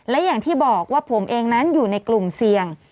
และอย่างที่บอกว่าผมเองนั้นอยู่ในกลุ่มเสี่ยง